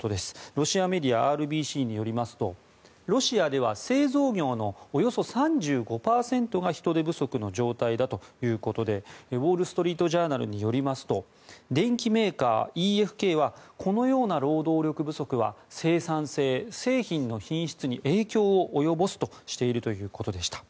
ロシアメディアＲＢＣによりますとロシアでは製造業のおよそ３５％が人手不足の状態だということでウォール・ストリート・ジャーナルによりますと電機メーカー、ＥＦＫはこのような労働力不足は生産性、製品の品質に影響を及ぼすとしているということでした。